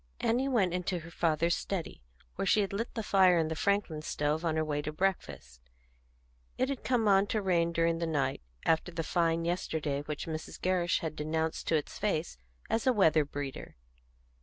Annie went into her father's study, where she had lit the fire in the Franklin stove on her way to breakfast. It had come on to rain during the night, after the fine yesterday which Mrs. Gerrish had denounced to its face as a weather breeder.